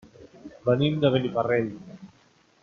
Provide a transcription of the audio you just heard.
Venim de Beniparrell.